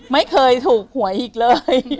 ไม่เคยถูกหวยอีกเลย